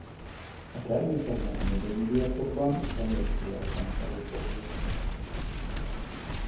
A természetben a növényi viaszokban és a méhviaszban is előfordul.